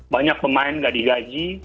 banyak pemain nggak digaji